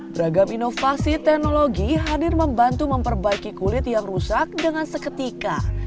beragam inovasi teknologi hadir membantu memperbaiki kulit yang rusak dengan seketika